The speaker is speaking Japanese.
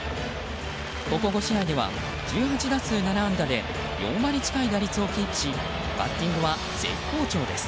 ここ５試合では１８打数７安打で４割近い打率をキープしバッティングは絶好調です。